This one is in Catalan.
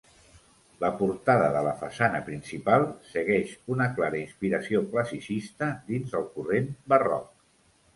La portada de la façana principal segueix una clara inspiració classicista dins el corrent barroc.